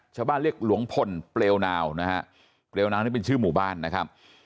เรียกหลวงพลเปลวนาวนะฮะเปลวนาวนี่เป็นชื่อหมู่บ้านนะครับ